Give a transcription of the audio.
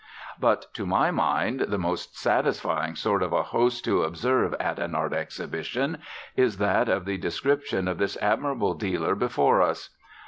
But, to my mind, the most satisfying sort of a host to observe at an art exhibition is that of the description of this admirable dealer before us.